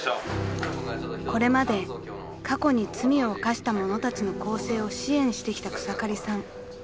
［これまで過去に罪を犯した者たちの更生を支援してきた草刈さん。